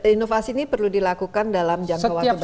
inovasi ini perlu dilakukan dalam jangka waktu bersama